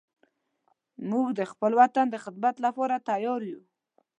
موږ د خپل وطن د خدمت لپاره تیار یو